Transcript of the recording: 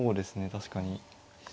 確かに。